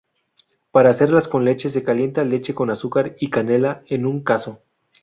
Para hacerlas con leche se calienta leche con azúcar y canela en un cazo.